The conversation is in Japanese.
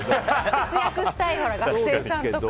節約したい学生さんとか。